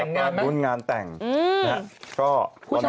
แต่งงานมั้ยคุณงานแต่งนะครับก็